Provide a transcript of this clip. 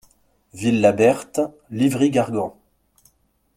Villa Berthe, Livry-Gargan